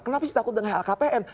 kenapa sih takut dengan lhkpn